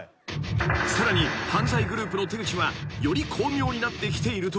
［さらに犯罪グループの手口はより巧妙になってきているという］